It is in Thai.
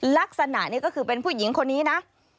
ลักษณะนี้ก็คือเป็นผู้หญิงคนนี้นะ